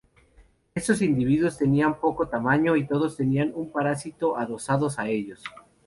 Esos individuos tenían poco tamaño, y todos tenían unos parásitos adosados a ellos.